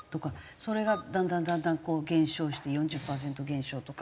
それがだんだんだんだん減少して４０パーセント減少とか。